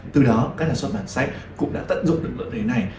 từ đó các nhà xuất bản sách cũng đã tận dụng được lợi thế này